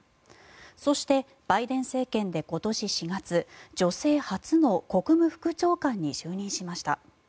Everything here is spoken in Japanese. そして、バイデン政権で今年４月女性初の国務副長官に就任しました。